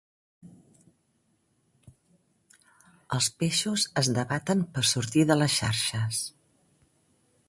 Els peixos es debaten per sortir de les xarxes.